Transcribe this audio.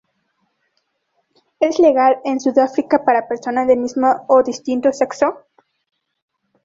Es legal en Sudáfrica para personas de mismo o distinto sexo.